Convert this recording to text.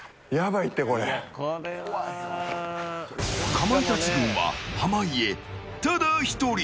かまいたち軍は濱家ただ１人。